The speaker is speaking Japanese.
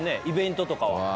イベントとかは。